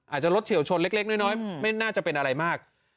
อาจจะรถเฉียวชนเล็กน้อยไม่น่าจะเป็นอะไรมาก